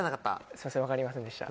すいません分かりませんでした。